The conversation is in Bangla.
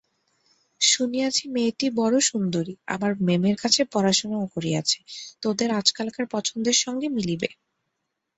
শুনিয়াছি মেয়েটি বড়ো সুন্দরী, আবার মেমের কাছে পড়াশুনাও করিয়াছে–তোদের আজকালকার পছন্দর সঙ্গে মিলিবে।